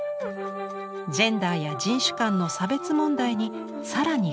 ジェンダーや人種間の差別問題に更に踏み込みました。